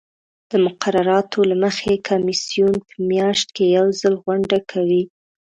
د مقرراتو له مخې کمیسیون په میاشت کې یو ځل غونډه کوي.